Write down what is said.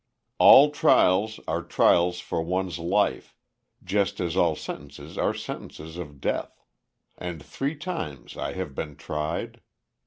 "All trials are trials for one's life, just as all sentences are sentences of death; and three times I have been tried.